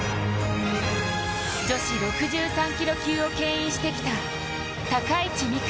女子６３キロ級をけん引してきた高市未来